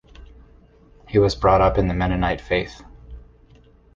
He was brought up in the Mennonite faith.